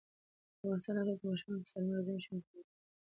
د افغانستان راتلونکی د ماشومانو په سالمې روزنې او ښوونې پورې تړلی دی.